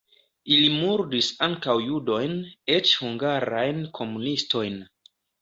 Ili murdis ankaŭ judojn, eĉ hungarajn komunistojn.